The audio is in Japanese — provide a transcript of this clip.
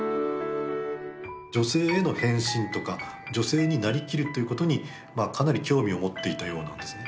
女性への変身とか女性になりきるということにかなり興味を持っていたようなんですね。